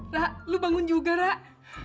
nak lo bangun juga nak